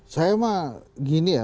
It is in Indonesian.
saya mah gini ya